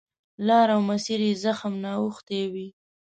لار او مسیر یې زخم نه اوښتی وي.